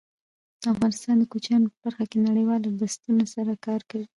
افغانستان د کوچیانو په برخه کې نړیوالو بنسټونو سره کار کوي.